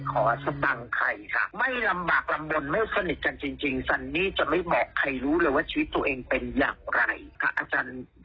ค่ะอาจารย์รักน้องคนนี้มากคนนึงนะคะ